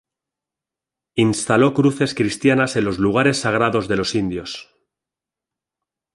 Instaló cruces cristianas en los lugares sagrados de los indios.